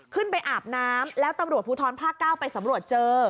ไปอาบน้ำแล้วตำรวจภูทรภาค๙ไปสำรวจเจอ